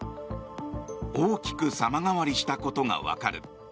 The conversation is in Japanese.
大きく様変わりしたことがわかる。